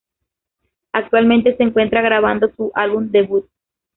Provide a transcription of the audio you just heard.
Actualmente se encuentra grabando su álbum debut.